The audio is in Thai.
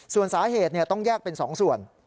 ส่วนสาเหตุต้องแยกเป็น๒ส่วน